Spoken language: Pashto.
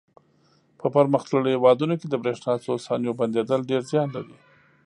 په پرمختللو هېوادونو کې د برېښنا څو ثانیو بندېدل ډېر زیان لري.